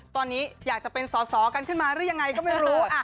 ตอนนี้อยากจะเป็นสอสอกันขึ้นมาหรือยังไงก็ไม่รู้